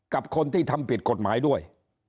กับคนที่ทำผิดกฎหมายด้วย